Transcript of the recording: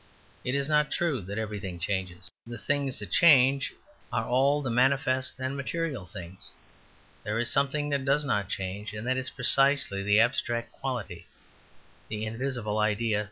It is not true that everything changes; the things that change are all the manifest and material things. There is something that does not change; and that is precisely the abstract quality, the invisible idea.